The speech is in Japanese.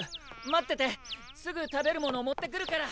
待っててすぐ食べる物を持ってくるから。